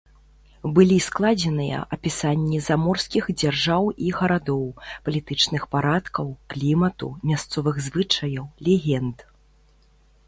Былі складзеныя апісанні заморскіх дзяржаў і гарадоў, палітычных парадкаў, клімату, мясцовых звычаяў, легенд.